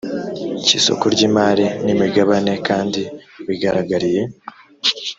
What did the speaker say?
cy isoko ry imari n imigabane kandi bigaragariye